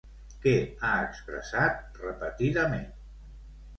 Què ha expressat repetidament?